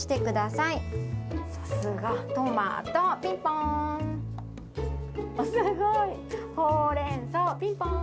さすが、トマト、ピンポン。